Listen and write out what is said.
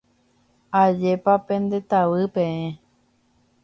Ajépa pendetavy peẽ.